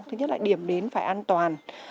thứ nhất là điểm đến phải an toàn